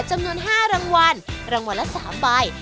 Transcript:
จำนวน๕รางวัลรางวัลละ๓ใบ